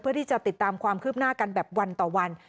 ติดตามความคืบหน้ากันแบบวันต่อวัน